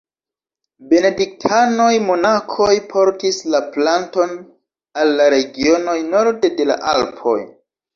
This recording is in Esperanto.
Benediktanoj-monakoj portis la planton al la regionoj norde de la Alpoj.